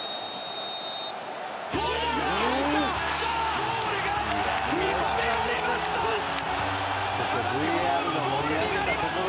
ゴールが認められました！